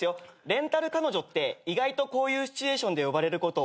レンタル彼女って意外とこういうシチュエーションで呼ばれること多いんで。